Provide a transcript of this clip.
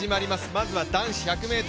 まずは男子１００ｍ